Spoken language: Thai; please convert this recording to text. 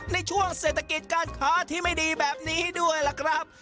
ในช่วงเศรษฐกิจการค้าที่ไม่ดีแบบนี้ด้วยล่ะครับ